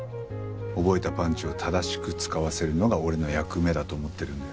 覚えたパンチを正しく使わせるのが俺の役目だと思ってるんで。